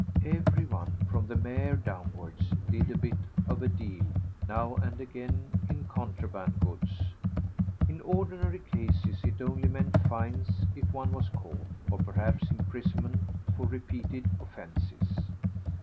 Everyone from the mayor downwards did a bit of a deal now and again in contraband goods. In ordinary cases it only meant fines if one was caught, or perhaps imprisonment for repeated offenses.